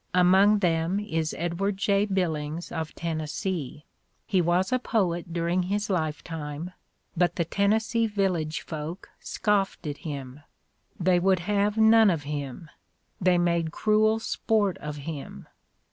Among them is Edward J. Billings of Tennessee. He was a poet during his lifetime, but the Tennessee village folk scoifed at him; they would have none of him, they made cruel sport of him.